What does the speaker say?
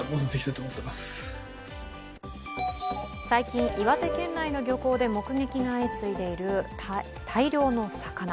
最近、岩手県内の漁港で目撃が相次いでいる大量の魚。